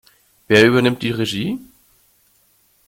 Wer übernimmt die Regie?